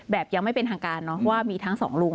ยังไม่เป็นทางการเนอะว่ามีทั้งสองลุง